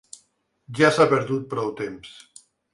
Ja s’ha perdut prou temps.